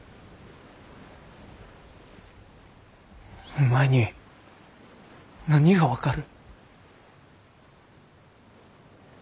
お前に何が分かる。